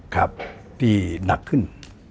ครับที่หนักขึ้น